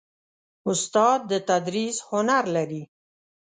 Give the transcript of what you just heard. استاد د تدریس هنر لري.